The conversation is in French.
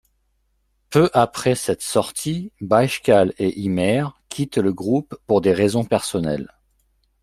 Peu après cette sortie, Baijkal et Imer quittent le groupe pour des raisons personnelles.